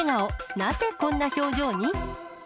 なぜこんな表情に？